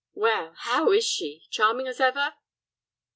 Well, how is she, charming as ever?"